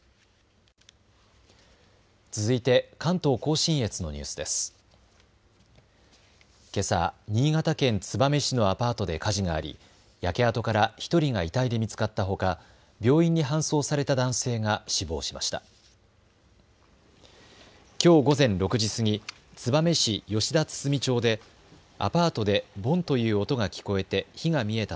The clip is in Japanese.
新潟県燕市のアパートで火事があり焼け跡から１人が遺体で見つかったほか病院に搬送された男性が死亡しました。